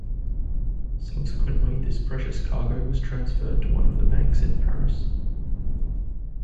Subsequently, this precious cargo was transferred to one of the banks in Paris.